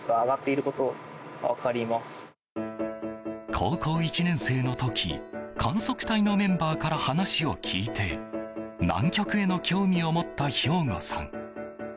高校１年生の時観測隊のメンバーから話を聞いて南極への興味を持った瓢子さん。